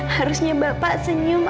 harusnya bapak senyum